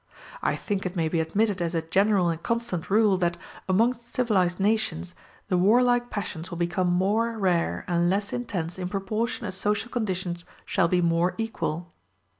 I think it may be admitted as a general and constant rule, that, amongst civilized nations, the warlike passions will become more rare and less intense in proportion as social conditions shall be more equal.